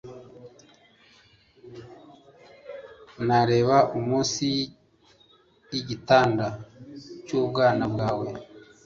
nareba munsi yigitanda cyubwana bwawe